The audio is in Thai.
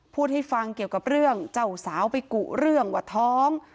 พูดให้ฟังเกี่ยวกับเรื่องเจ้าสาวไปกุเรื่องว่าท้อง